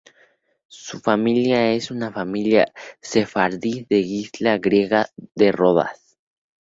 Su familia es una familia sefardí de la isla griega de Rodas.